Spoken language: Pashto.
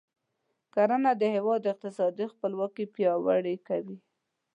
کرنه د هیواد اقتصادي خپلواکي پیاوړې کوي.